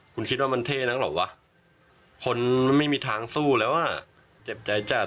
คุณคิดว่ามันเท่นักเหรอวะคนไม่มีทางสู้แล้วอ่ะเจ็บใจจัด